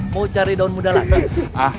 mau cari daun muda lagi